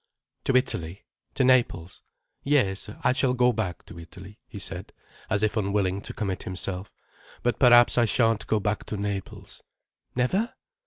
"To Italy. To Naples." "Yes, I shall go back to Italy," he said, as if unwilling to commit himself. "But perhaps I shan't go back to Naples." "Never?"